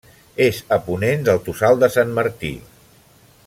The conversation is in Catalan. És a ponent del Tossal de Sant Martí.